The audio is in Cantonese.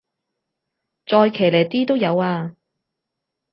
再騎呢啲都有啊